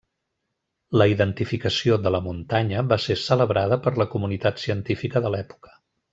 La identificació de la muntanya va ser celebrada per la comunitat científica de l'època.